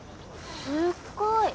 すっごい。